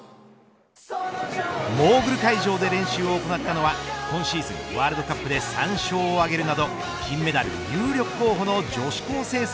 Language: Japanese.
モーグル会場で練習を行ったのは今シーズン、ワールドカップで３勝を挙げるなど金メダル有力候補の女子高生